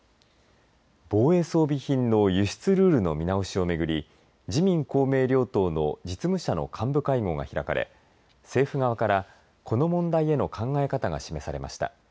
防衛装備品の輸出ルールの見直しを巡り自民・公明両党の実務者の幹部会合が開かれ政府側からこの問題への考え方が示されました。